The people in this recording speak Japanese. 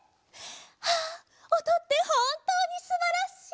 あおとってほんとうにすばらしい！